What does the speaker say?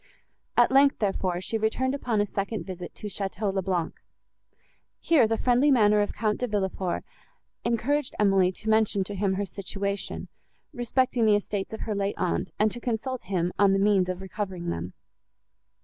At length, therefore, she returned upon a second visit to Château le Blanc. Here the friendly manner of Count De Villefort encouraged Emily to mention to him her situation, respecting the estates of her late aunt, and to consult him on the means of recovering them.